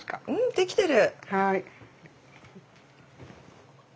できてる。